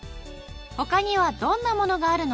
他にはどんなものがあるの？